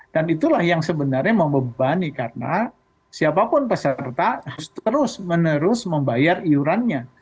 dan itulah yang sebenarnya membebani karena siapapun peserta harus terus menerus membayar iurannya